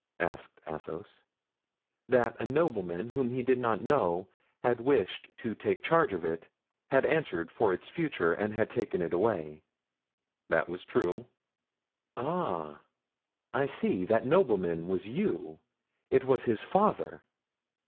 asked Athos. "That a nobleman whom he did not know had wished to take charge of it, had answered for its future, and had taken it away." "That was true." "Ah! I see! That nobleman was you; it was his father!"